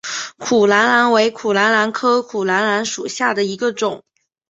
苦槛蓝为苦槛蓝科苦槛蓝属下的一个种。